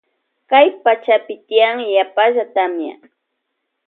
Kay pachapi tiyan yapalla tamia.